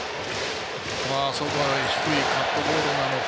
外へ低いカットボールなのか。